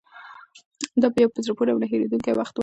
دا یو په زړه پورې او نه هېرېدونکی وخت و.